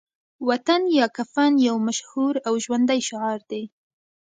وطن یا کفن يو مشهور او ژوندی شعار دی